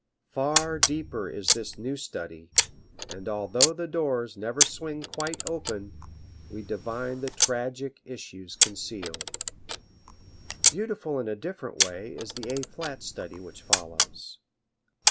Far deeper is this new study, and although the doors never swing quite open, we divine the tragic issues concealed. Beautiful in a different way is the A flat study which follows.